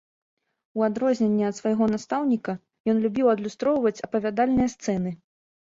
У адрозненне ад свайго настаўніка, ён любіў адлюстроўваць апавядальныя сцэны.